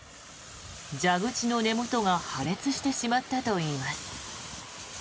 蛇口の根元が破裂してしまったといいます。